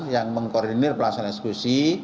yang mengkoordinir pelaksanaan eksekusi